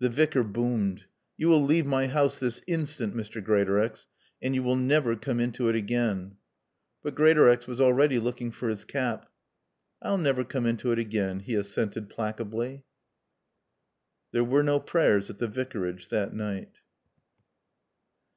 The Vicar boomed. "You will leave my house this instant, Mr. Greatorex. And you will never come into it again." But Greatorex was already looking for his cap. "I'll navver coom into et again," he assented placably. There were no prayers at the Vicarage that night.